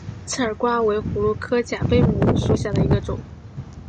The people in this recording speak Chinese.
刺儿瓜为葫芦科假贝母属下的一个种。